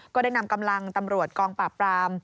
ก็ได้นำกำลังตำรวจกองปราบปราม